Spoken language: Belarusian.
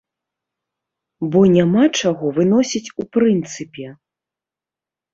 Бо няма чаго выносіць у прынцыпе!